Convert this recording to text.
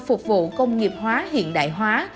phục vụ công nghiệp hóa hiện đại hóa